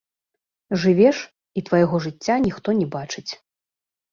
Жывеш, і твайго жыцця ніхто не бачыць.